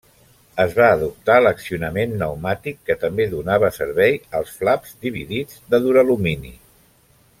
Es va adoptar l'accionament pneumàtic, que també donava servei als flaps dividits de duralumini.